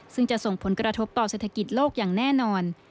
ซึ่งจะส่งผลกระทบต่อเศรษฐกิจโลกอย่างแน่นอน